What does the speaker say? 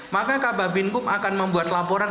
maka kabah binku akan membuat laporan